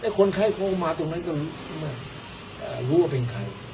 แต่คนไข้เข้ามาตรงนั้นก็รู้ว่าเป็นใคร